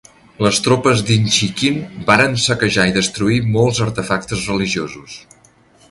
Les tropes d'Inchiquin varen saquejar i destruir molts artefactes religiosos.